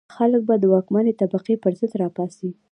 خلک به د واکمنې طبقې پر ضد را پاڅي.